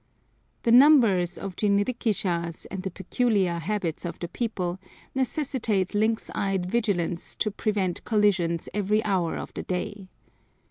The numbers of jinrikishas, and the peculiar habits of the people, necessitate lynx eyed vigilance to prevent collisions every hour of the day.